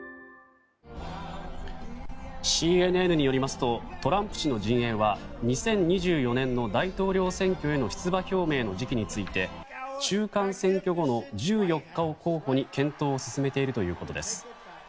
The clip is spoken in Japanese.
ＣＮＮによりますとトランプ氏の陣営は２０２４年の大統領選挙への出馬表明の時期について中間選挙後の１４日を候補に検討を進めているということです。